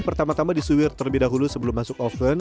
pertama tama disuir terlebih dahulu sebelum masuk oven